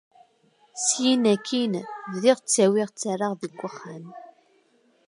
Syin akkin, bdiɣ ttawiɣ ttarraɣ deg uxxam.